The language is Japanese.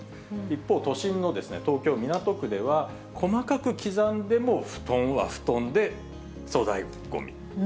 一方、都心の東京・港区では、細かく刻んでも布団は布団で、粗大ごみ。